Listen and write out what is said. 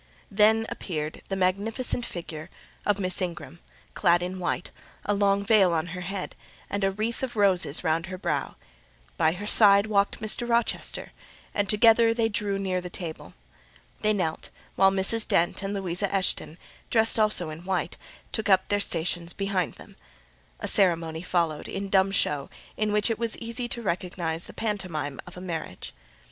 Then appeared the magnificent figure of Miss Ingram, clad in white, a long veil on her head, and a wreath of roses round her brow; by her side walked Mr. Rochester, and together they drew near the table. They knelt; while Mrs. Dent and Louisa Eshton, dressed also in white, took up their stations behind them. A ceremony followed, in dumb show, in which it was easy to recognise the pantomime of a marriage.